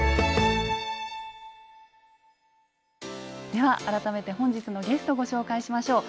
では改めて本日のゲストご紹介しましょう。